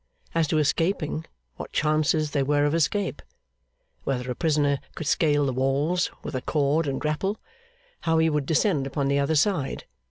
As to escaping, what chances there were of escape? Whether a prisoner could scale the walls with a cord and grapple, how he would descend upon the other side?